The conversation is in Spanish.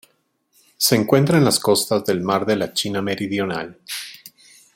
Se encuentra en las costas del mar de la China Meridional.